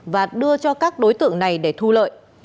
và đưa cho các đối tượng này để thu lợi